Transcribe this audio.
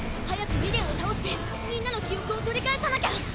早くミデンをたおしてみんなの記憶を取り返さなきゃ！